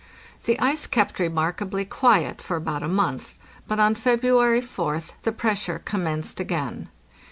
The ice kept remarkably quiet for about a month, but on February 4th the pressure com menced again.